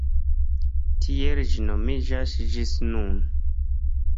Tiel ĝi nomiĝas ĝis nun.